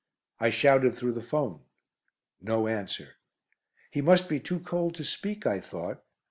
I shouted through the 'phone. No answer. He must be too cold to speak, I thought.